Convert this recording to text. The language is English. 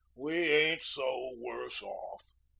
We ain't so worse off."